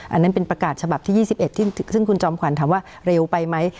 อันนั้นเป็นประกาศฉบับที่๒๑ซึ่งคุณจอมขวัญถามว่าเร็วไปไหม